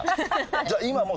じゃあ今もう。